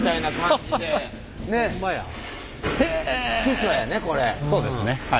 そうですねはい。